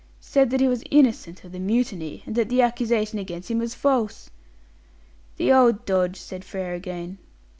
Said that he was innocent of the mutiny, and that the accusation against him was false." "The old dodge," said Frere again.